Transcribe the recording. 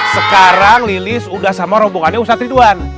sekarang lilis udah sama rombongannya ustadz ridwan